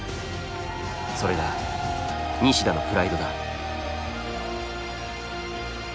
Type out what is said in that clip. それが西田のプライドだ。